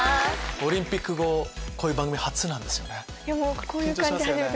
オリンピック後こういう番組初なんですよね？